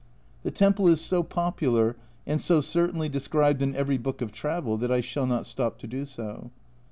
The temple is so popular and so certainly described in every book of travel, that I shall not stop to do so.